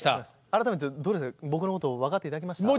改めて僕のことを分かって頂けました？